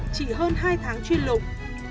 chỉ hơn hai tháng chuyên lục